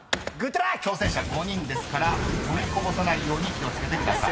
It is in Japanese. ［挑戦者５人ですから取りこぼさないように気を付けてください］